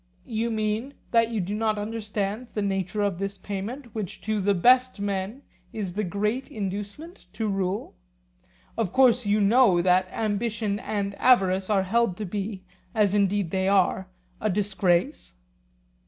You mean that you do not understand the nature of this payment which to the best men is the great inducement to rule? Of course you know that ambition and avarice are held to be, as indeed they are, a disgrace?